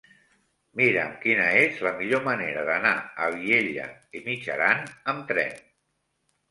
Mira'm quina és la millor manera d'anar a Vielha e Mijaran amb tren.